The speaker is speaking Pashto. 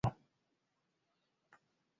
د بزګرانو پاڅونونو فیوډالي نظام ولړزاوه.